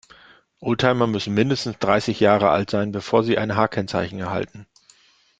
Oldtimer müssen mindestens dreißig Jahre alt sein, bevor sie ein H-Kennzeichen erhalten.